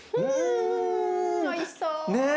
うんおいしそう。